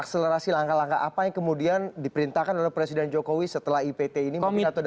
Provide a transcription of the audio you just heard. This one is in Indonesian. akselerasi langkah langkah apa yang kemudian diperintahkan oleh presiden jokowi setelah ipt ini mungkin satu